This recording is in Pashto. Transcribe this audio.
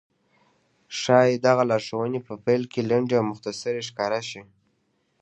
ښايي دغه لارښوونې په پيل کې لنډې او مختصرې ښکاره شي.